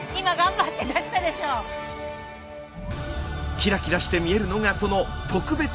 キラキラして見えるのがその特別な汗。